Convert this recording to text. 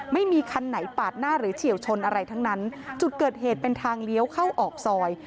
ไม่มีคันไหนปาดหน้าหรือเฉียวชนอะไรทั้งนั้นจุดเกิดเหตุเป็นทางเลี้ยวเข้าออกซอย